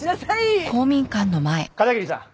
片桐さん。